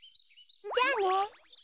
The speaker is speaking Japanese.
じゃあね。